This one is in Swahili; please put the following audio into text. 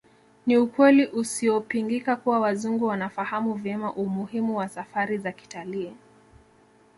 Ni ukweli usiopingika kuwa Wazungu wanafahamu vyema umuhimu wa safari za kitalii